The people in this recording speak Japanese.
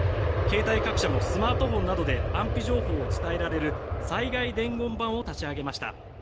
携帯各社もスマートフォンなどで安否情報を伝えられる災害伝言板を立ち上げました。